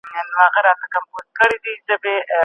چا چي کډوال ځورولي دي، د خپل عمل سزا به وګوري.